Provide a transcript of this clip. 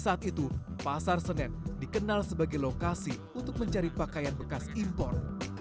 saat itu pasar senen dikenal sebagai lokasi untuk mencari pakaian bekas impor